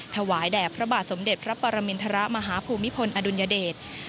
ถวายแด่พระบาทสมเด็จพระปรมินทรมาฮภูมิพลอดุลยเดช